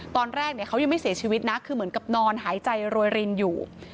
ตอนแรกเขายังไม่เสียชีวิตนะคือเหมือนกับนอนหายใจรวยรินอยู่